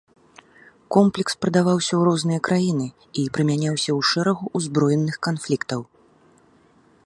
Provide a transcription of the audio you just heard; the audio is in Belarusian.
Комплекс прадаваўся у розныя краіны і прымяняўся ў шэрагу ўзброеных канфліктаў.